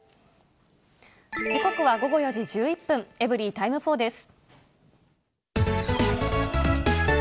時刻は午後４時１１分、エブリィタイム４です。